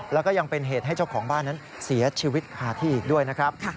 แล้วก็ยังเป็นเหตุให้เจ้าของบ้านนั้นเสียชีวิตคาที่อีกด้วยนะครับ